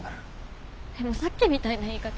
でもさっきみたいな言い方。